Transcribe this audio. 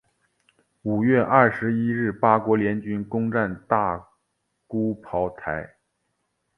五月二十一日八国联军攻战大沽炮台。